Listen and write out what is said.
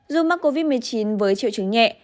dù mắc covid một mươi chín với triệu chứng nhẹ